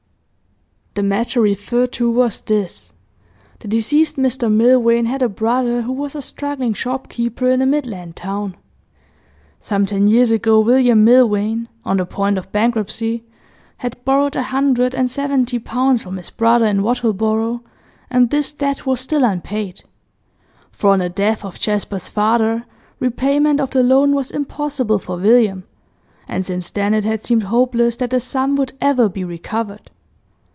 The matter referred to was this. The deceased Mr Milvain had a brother who was a struggling shopkeeper in a Midland town. Some ten years ago, William Milvain, on the point of bankruptcy, had borrowed a hundred and seventy pounds from his brother in Wattleborough, and this debt was still unpaid; for on the death of Jasper's father repayment of the loan was impossible for William, and since then it had seemed hopeless that the sum would ever be recovered.